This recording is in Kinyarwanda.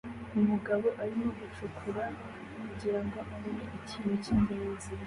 Umugabo arimo gucukura kugirango abone ikintu cyingenzi